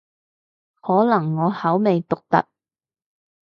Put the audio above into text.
可能我口味獨特